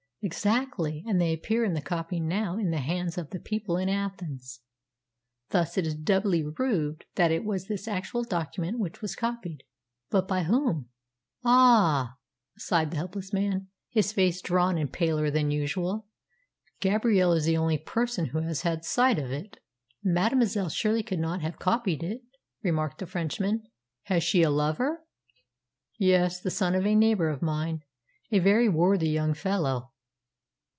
"Exactly. And they appear in the copy now in the hands of the people in Athens! Thus it is doubly proved that it was this actual document which was copied. But by whom?" "Ah!" sighed the helpless man, his face drawn and paler than usual, "Gabrielle is the only person who has had sight of it." "Mademoiselle surely could not have copied it," remarked the Frenchman. "Has she a lover?" "Yes; the son of a neighbour of mine, a very worthy young fellow."